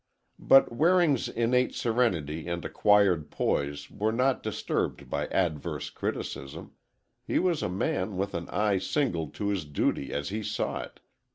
But Waring's innate serenity and acquired poise were not disturbed by adverse criticism, he was a man with an eye single to his duty as he saw it.